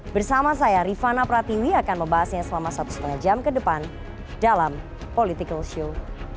bersama saya rifana pratiwi akan membahasnya selama satu lima jam ke depan dalam political show